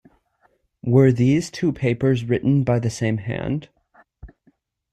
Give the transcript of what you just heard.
Were these two papers written by the same hand?